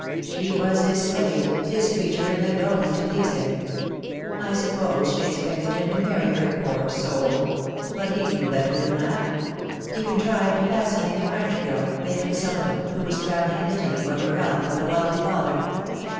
She was his slave, his creature, and lived only to please him. I suppose she expected him to marry her, poor soul ; but he knew better than that. He contrived to fascinate a French girl, a consumptive, who was travelling in Italy for her health, with a wealthy father.